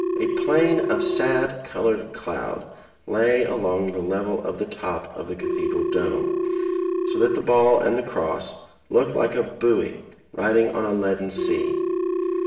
A plain of sad coloured cloud lay along the level of the top of the Cathedral dome, so that the ball and the cross looked like a buoy riding on a leaden sea.